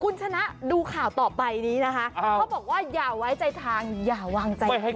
คุณชนะดูข่าวต่อไปนี้นะคะเขาบอกว่าอย่าไว้ใจทางอย่าวางใจ